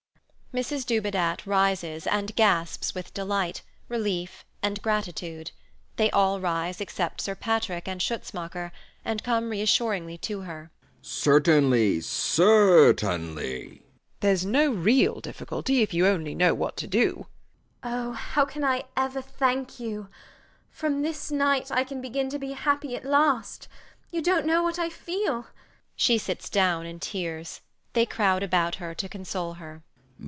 Mrs Dubedat rises and gasps with delight, relief, and gratitude. They all rise except Sir Patrick and Schutzmacher, and come reassuringly to her. B. B. Certainly, CER tainly. WALPOLE. Theres no real difficulty, if only you know what to do. MRS DUBEDAT. Oh, how can I ever thank you! From this night I can begin to be happy at last. You dont know what I feel. She sits down in tears. They crowd about her to console her.